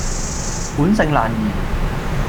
本性難移